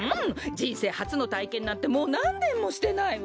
じんせいはつのたいけんなんてもうなんねんもしてないわ。